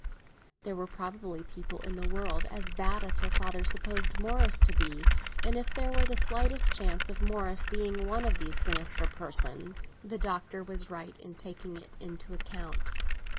There were probably people in the world as bad as her father supposed Morris to be, and if there were the slightest chance of Morris being one of these sinister persons, the Doctor was right in taking it into account.